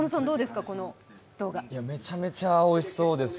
めちゃめちゃおいしそうです。